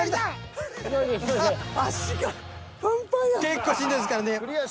結構しんどいですからね。